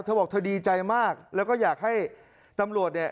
เธอบอกเธอดีใจมากแล้วก็อยากให้ตำรวจเนี่ย